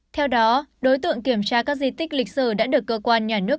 theo đó đối tượng kiểm tra các di tích lịch sử đã được cơ quan nhà nước